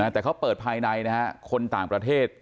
แต่เขาเปิดภายในนะครับ